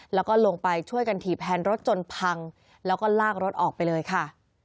แล้วก็ลงไปช่วยกันถีบแฮนรถจนพังแล้วก็ลากรถออกไปเลยค่ะ